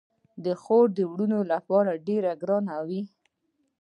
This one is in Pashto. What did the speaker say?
خور د وروڼو لپاره ډیره ګرانه وي.